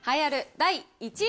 第１位。